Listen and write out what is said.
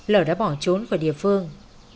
lờ đã bỏ trốn khỏi địa phương